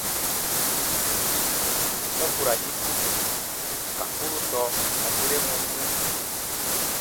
Ba ku ra yiku di ka kurusɔ ka sere wɔmu.